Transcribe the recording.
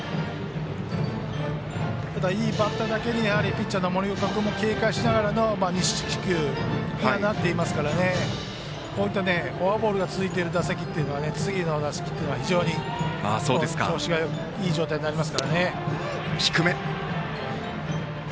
ただいいバッターだけにピッチャーの森岡君も警戒しながらの２四球になっていますからこういったフォアボールが続いた中での次の打席というのは調子がいい状態になりますから。